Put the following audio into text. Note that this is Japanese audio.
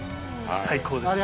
最高です。